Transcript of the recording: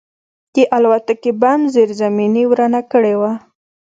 د الوتکې بم زیرزمیني ورانه کړې وه